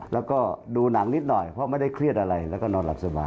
แล้วก็ดูหนังนิดหน่อยเพราะไม่ได้เครียดอะไรแล้วก็นอนหลับสบาย